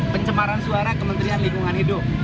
pencemaran suara kementerian lingkungan hidup